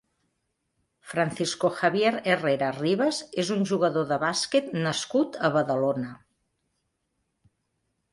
Francisco Javier Herrera Rivas és un jugador de bàsquet nascut a Badalona.